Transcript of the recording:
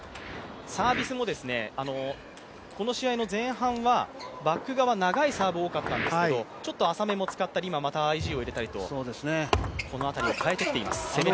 サービスも、この試合の前半はバック側、長いサーブ多かったんですけど浅いサーブを使ったり今またＹＧを入れたりこの辺り、変えてきています。